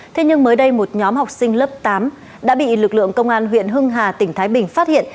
thế nhưng mới đây một nhóm học sinh lớp tám đã bị lực lượng công an huyện hưng hà tỉnh thái bình phát hiện